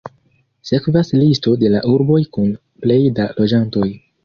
Sekvas listo de la urboj kun plej da loĝantoj.